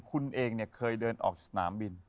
คุณเองเนี่ยเคยเดินออกสนามบิน